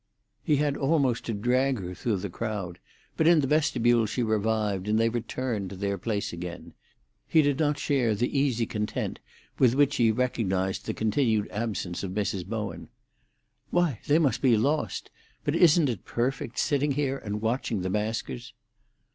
He had almost to drag her through the crowd, but in the vestibule she revived, and they returned to their place again. He did not share the easy content with which she recognised the continued absence of Mrs. Bowen. "Why they must be lost. But isn't it perfect sitting here and watching the maskers?"